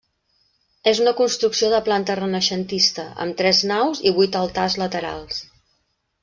És una construcció de planta renaixentista, amb tres naus i vuit altars laterals.